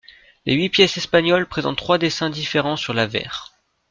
Les huit pièces espagnoles présentent trois dessins différents sur l'avers.